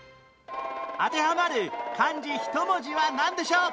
当てはまる漢字１文字はなんでしょう？